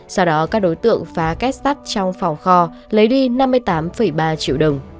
sau đó các đối tượng phá kết sắt trong phòng kho lấy đi năm mươi tám ba triệu đồng